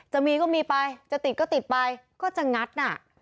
จะมีก็มีไปจะติดก็ติดไปก็จะงัดน่ะ